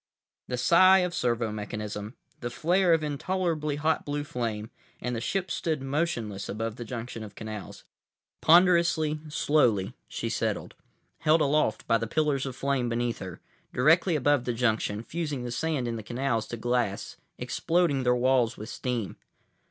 ———— The sigh of servo mechanism, the flare of intolerably hot blue flame, and the ship stood motionless above the junction of canals. Ponderously, slowly, she settled; held aloft by the pillars of flame beneath her, directly above the junction, fusing the sand in the canals to glass, exploding their walls with steam.